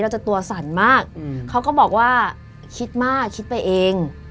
จะตัวสั่นมากเขาก็บอกว่าคิดมากคิดไปเอง